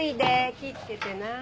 気ぃつけてな。